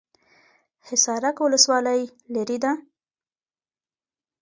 حصارک ولسوالۍ لیرې ده؟